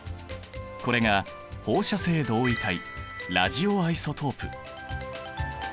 これが放射性同位体ラジオアイソトープ。